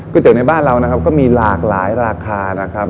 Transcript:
ก๋วยเตี๋ยวในบ้านเราก็มีหลากหลายราคานะครับ